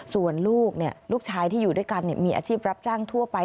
ส่วนลูกลูกชายที่อยู่ด้วยกันมีอาชีพรับจ้างทั่วไป